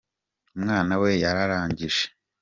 Umwana we yararangije.